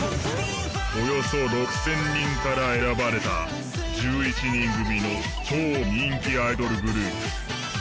およそ６０００人から選ばれた１１人組の超人気アイドルグループＪＯ１から２人が参戦。